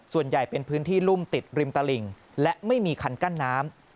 ส่วนใหญ่เป็นพื้นที่รุ่มติดริมตลิ่งและไม่มีคันกั้นน้ำ